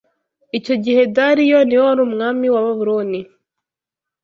Icyo gihe Dariyo ni we wari umwami wa Babuloni